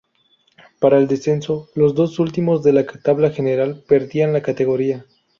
Para el descenso, los dos últimos de la tabla general perdían la categoría.